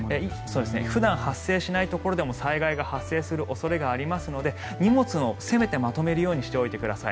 普段発生しないところでも災害が発生する恐れがありますので荷物をせめてまとめるようにしておいてください。